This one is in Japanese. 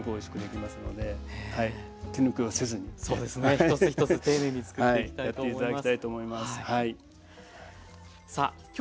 一つ一つ丁寧につくっていきたいと思います。